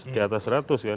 di atas seratus ya